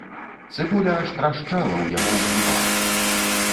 Цыбуля аж трашчала ў яго ў зубах.